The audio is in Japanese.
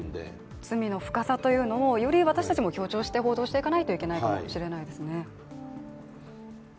罪の深さというものを、より私たちも強調して報道していかないといけないかもしれないですね。